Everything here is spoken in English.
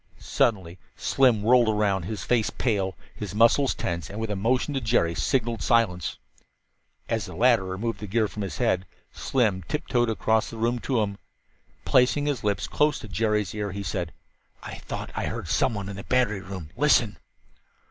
Suddenly Slim whirled around, his face pale, his muscles tense, and with a motion to Jerry signaled silence. As the latter removed the gear from his head, Slim tiptoed across the room to him. Placing his lips close to Jerry's ears he said: "I thought I heard someone in the battery room. Listen!"